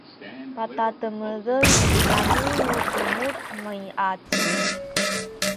padademecen kami nu tumuk miacin